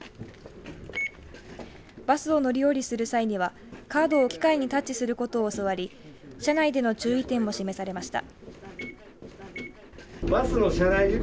バスを乗り降りする際にはカードを機械にタッチすることを教わり車内での注意点も示されました。